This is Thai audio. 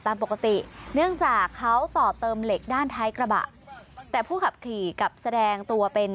ตามปกติเนื่องจากเขาต่อเติมเหล็กด้านท้ายกระบะแต่ผู้ขับขี่กลับแสดงตัวเป็น